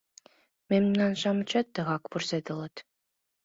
Мемнан-шамычат тыгак вурседылыт.